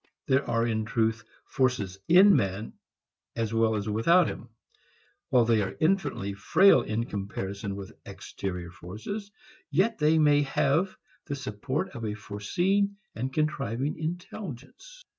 There are in truth forces in man as well as without him. While they are infinitely frail in comparison with exterior forces, yet they may have the support of a foreseeing and contriving intelligence.